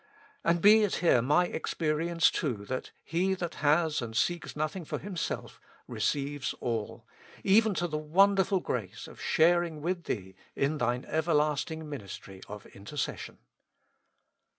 And be it here my ex perience too that he that has and seeks nothing for himself, receives all, even to the wonderful grace of sharing with Thee in Thine everlasting ministry of intercession.